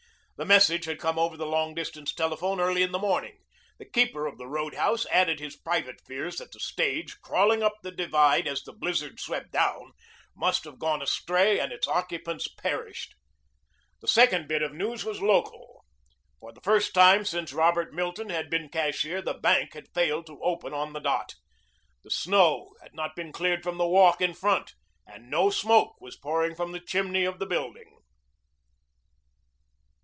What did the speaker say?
The message had come over the long distance telephone early in the morning. The keeper of the roadhouse added his private fears that the stage, crawling up the divide as the blizzard swept down, must have gone astray and its occupants perished. The second bit of news was local. For the first time since Robert Milton had been cashier the bank had failed to open on the dot. The snow had not been cleared from the walk in front and no smoke was pouring from the chimney of the building.